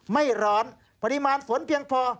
ไม่ร้อนปริมาณฝนเพียงพอ